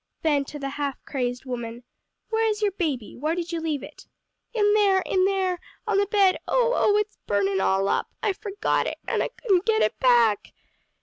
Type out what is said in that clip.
Then to the half crazed woman, "Where is your baby? where did you leave it?" "In there, in there on the bed, oh, oh, it's burnin' all up! I forgot it, an' I couldn't get back."